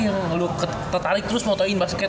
yang lu tertarik terus motoin basket